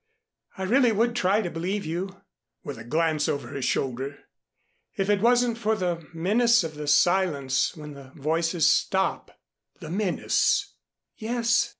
"I really would try to believe you," with a glance over her shoulder, "if it wasn't for the menace of the silence when the voices stop." "The menace " "Yes.